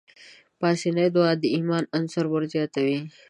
پاسنۍ دعا د ايمان عنصر ورزياتوي.